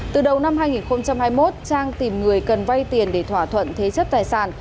từ đầu năm hai nghìn hai mươi một trang tìm người cần vay tiền để thỏa thuận thế chấp tài sản